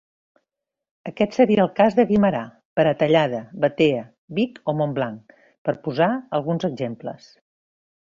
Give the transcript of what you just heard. Aquest seria el cas de Guimerà, Peratallada, Batea, Vic o Montblanc, per posar alguns exemples.